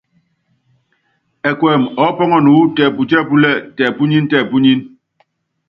Ɛkuɛmɛ ɔɔ́pɔ́nɔnɔ wú tɛɛ́putíɛ́púlɛ́ púnyíní, tɛpúnyíní.